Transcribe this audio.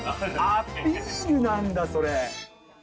アピールなんだ、それ。